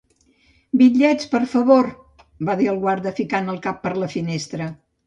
"Bitllets, per favor!", va dir el guarda, ficant el cap per la finestra.